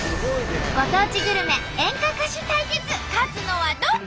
ご当地グルメ演歌歌手対決勝つのはどっち！？